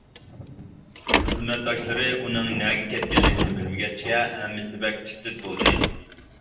خىزمەتداشلىرى ئۇنىڭ نەگە كەتكەنلىكىنى بىلمىگەچكە، ھەممىسى بەك تىت-تىت بولدى.